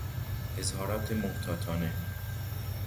اظهارات محتاطانه